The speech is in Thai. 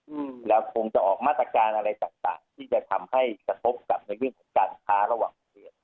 อืมแล้วคงจะออกมาตรการอะไรต่างต่างที่จะทำให้กระทบกับในเรื่องของการค้าระหว่างโรงเรียน